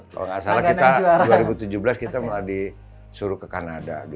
kalau gak salah dua ribu tujuh belas kita disuruh ke kanada